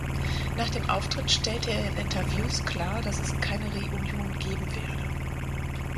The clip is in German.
Nach dem Auftritt stellte er in Interviews klar, dass es keine Reunion geben werde.